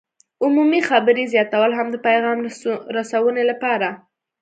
عمومي خبرې زیاتول هم د پیغام رسونې لپاره